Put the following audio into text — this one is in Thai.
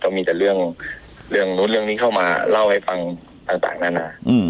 มีแต่เรื่องนู้นเรื่องนี้เข้ามาเล่าให้ฟังต่างนานา